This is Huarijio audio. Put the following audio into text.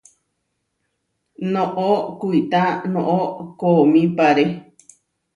Noʼó kuitá noʼó koomípare.